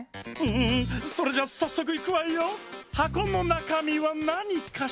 んそれじゃさっそくいくわよ。はこのなかみはなにかしら？